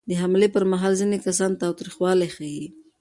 د حملې پر مهال ځینې کسان تاوتریخوالی ښيي.